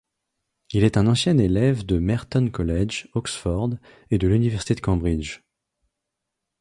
Il est un ancien élève de Merton College, Oxford, et de l'université de Cambridge.